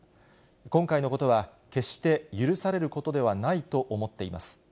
今回のことは決して許されることではないと思っています。